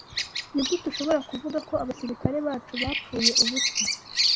Nigute ushobora kuvuga ko abasirikare bacu bapfuye ubusa?